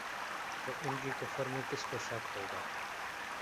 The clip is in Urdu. تو ان کے کفر میں کس کو شک ہوگا